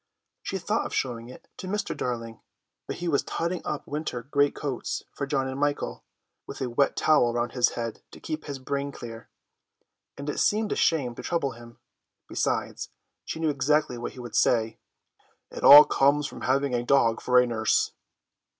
She thought of showing it to Mr. Darling, but he was totting up winter great coats for John and Michael, with a wet towel around his head to keep his brain clear, and it seemed a shame to trouble him; besides, she knew exactly what he would say: "It all comes of having a dog for a nurse."